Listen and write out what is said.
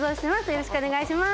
よろしくお願いします